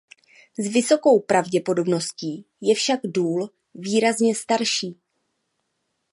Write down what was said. S vysokou pravděpodobností je však důl výrazně starší.